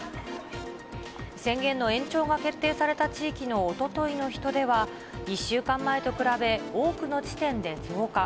宣言の延長が決定された地域のおとといの人出は、１週間前と比べ、多くの地点で増加。